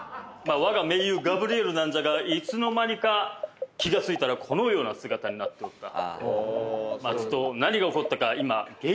わが盟友ガブリエルなんじゃがいつの間にか気が付いたらこのような姿になっておった。